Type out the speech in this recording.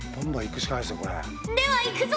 ではいくぞ！